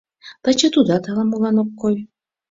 Таче тудат ала-молан ок кой.